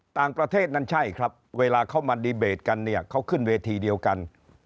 ต่างประเทศนั้นใช่ครับเวลาเขามาดีเบตกันเนี่ยเขาขึ้นเวทีเดียวกัน